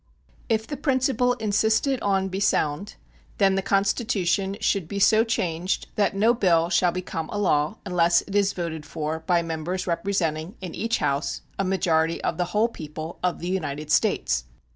If the principle insisted on be sound, then the Constitution should be so changed that no bill shall become a law unless it is voted for by members representing in each House a majority of the whole people of the United States.